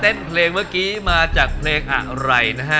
เพลงเมื่อกี้มาจากเพลงอะไรนะฮะ